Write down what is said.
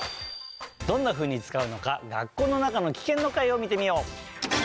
どんなふうにつかうのか「学校の中のキケン」の回を見てみよう。